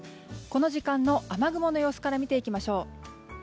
この時間の雨雲の様子から見ていきましょう。